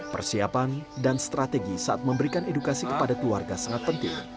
persiapan dan strategi saat memberikan edukasi kepada keluarga sangat penting